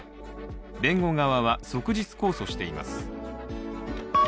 弁護側は即日控訴しています。